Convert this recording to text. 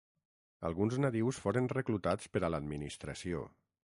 Alguns nadius foren reclutats per a l'administració.